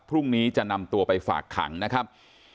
พรุ่งนี้จะนำตัวไปฝากขังนะครับ